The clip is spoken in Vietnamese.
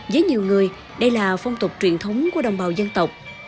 với nhiều người đây là phong tục truyền thống của đồng bào dân tộc